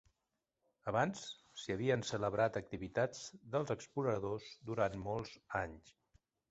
Abans, s'hi havien celebrat activitats dels exploradors durant molts anys.